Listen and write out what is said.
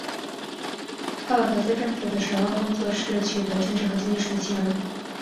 帕帕戈斯政府的首要工作是取得政治和经济上的信任。